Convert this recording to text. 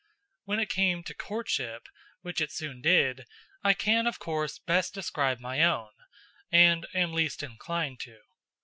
When it came to courtship, which it soon did, I can of course best describe my own and am least inclined to.